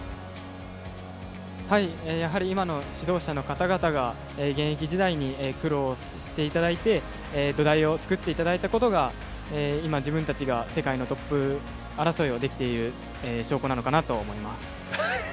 やはり今の指導者の方々が現役時代に苦労していただいて土台を作っていただいたことが今、自分たちが世界のトップ争いをできている証拠なのかなと思います。